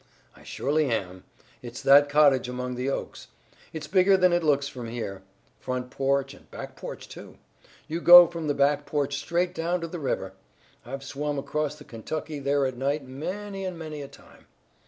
"I surely am. It's that cottage among the oaks. It's bigger than it looks from here. Front porch and back porch, too. You go from the back porch straight down to the river. I've swum across the Kentucky there at night many and many a time.